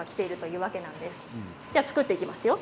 じゃあ作っていきますよ。